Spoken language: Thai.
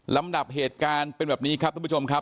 ลำดับเหตุการณ์เป็นแบบนี้ครับทุกผู้ชมครับ